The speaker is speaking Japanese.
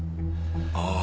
ああ。